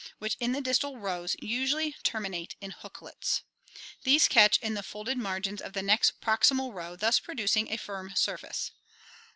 (After VOLANT ADAPTATION 35* which in the distal rows usually terminate in hooklets. These catch in the folded margins of the next proximal row, thus produc ing a firm surface.